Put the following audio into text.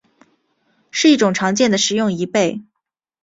是一种常见的食用贻贝。